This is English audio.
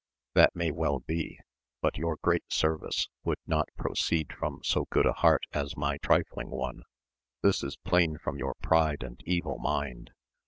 — ^That may well be : but your great service would not pro ceed from so good a heart as my trifling one, this is plain from your pride and evil mind.